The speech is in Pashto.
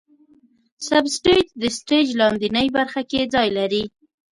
سب سټیج د سټیج لاندینۍ برخه کې ځای لري.